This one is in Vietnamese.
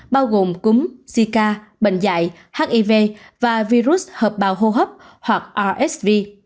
bao gồm cúm zika bệnh dạy hiv và virus hợp bào hô hấp hoặc orsv